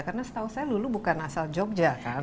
karena setahu saya lulu bukan asal yogyakarta kan